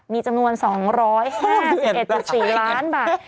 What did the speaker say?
มีจำนวน๒๕๑๔ล้านบาท